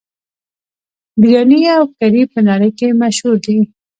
بریاني او کري په نړۍ کې مشهور دي.